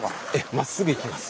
まっすぐ行きます。